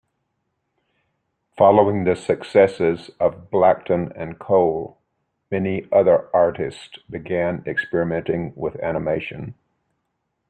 Following the successes of Blackton and Cohl, many other artists began experimenting with animation.